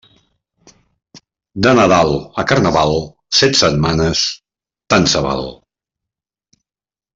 De Nadal a Carnaval, set setmanes tant se val.